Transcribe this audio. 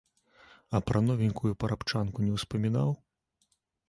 А пра новенькую парабчанку не ўспамінаў?